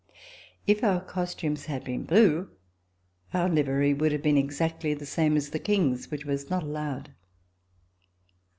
If our costumes had been blue, our livery would have been exactly the same as the King's, which was not allowed.